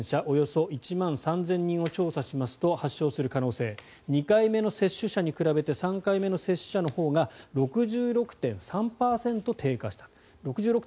およそ１万３０００人を調査しますと発症する可能性は２回目の接種者に比べて３回目の接種者のほうが６６．３％低下したと。